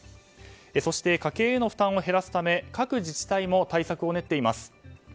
そして家計への負担を減らすため各自治体も対策を練っています。